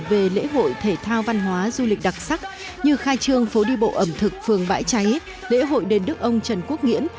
về lễ hội thể thao văn hóa du lịch đặc sắc như khai trương phố đi bộ ẩm thực phường bãi cháy lễ hội đền đức ông trần quốc nghĩễn